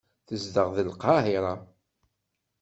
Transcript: Tezdeɣ deg Lqahira.